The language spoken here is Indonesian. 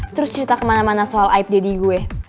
terus cerita kemana mana soal aib dedy gue